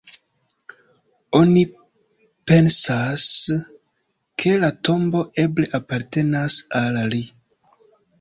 Oni pensas, ke la tombo eble apartenas al li.